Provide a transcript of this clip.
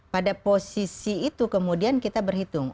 pada posisi itu kemudian kita berhitung